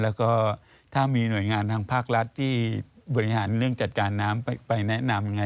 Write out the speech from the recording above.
แล้วก็ถ้ามีหน่วยงานทางภาครัฐที่บริหารเรื่องจัดการน้ำไปแนะนำยังไง